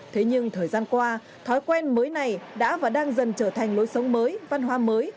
thế nhưng thời gian qua thói quen mới này đã và đang dần trở thành lối sống mới văn hóa mới